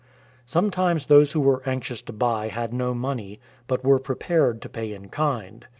Sometimes those who were anxious to buy had no money, but were prepared to pay in kind.